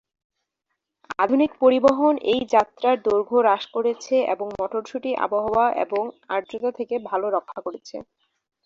আধুনিক পরিবহন এই যাত্রার দৈর্ঘ্য হ্রাস করেছে এবং মটরশুটি আবহাওয়া এবং আর্দ্রতা থেকে ভাল রক্ষা করেছে।